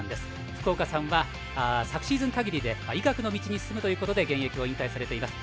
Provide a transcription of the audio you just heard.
福岡さんは昨シーズン限りで医学の道に進むということで現役を引退されています。